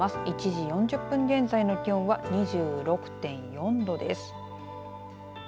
１時４０分現在の気温は２６．４度です。